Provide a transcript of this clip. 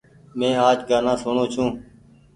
مين آج گآنآ سوڻو ڇون۔